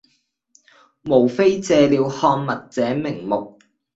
無非借了看脈這名目，